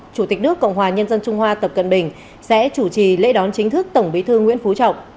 chủ tịch nước cộng hòa nhân dân trung hoa tập cận bình sẽ chủ trì lễ đón chính thức tổng bí thư nguyễn phú trọng